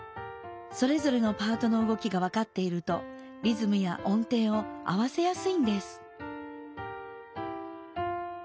それぞれのパートのうごきが分かっているとリズムや音程を合わせやすいんです。